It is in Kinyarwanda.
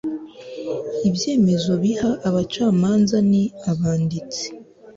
ibyemezo biha abacamanza n abanditsi